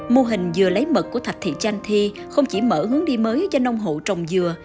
mô hình dừa lấy mật của thạch thị chanh thi không chỉ mở hướng đi mới cho nông hộ trồng dừa